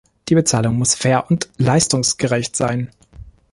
Die Bezahlung muss fair und leistungsgerecht sein.